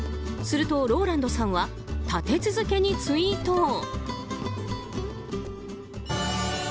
すると、ＲＯＬＡＮＤさんは立て続けにツイート。